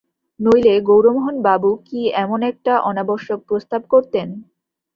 নইলে গৌরমোহনবাবু কি এমন একটা অনাবশ্যক প্রস্তাব করতেন?